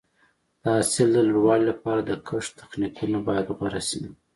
د حاصل د لوړوالي لپاره د کښت تخنیکونه باید غوره شي.